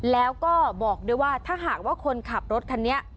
แล้วก็บอกด้วยว่าถ้าหากว่าคนขับรถคันนี้